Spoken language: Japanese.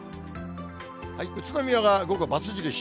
宇都宮が午後×印。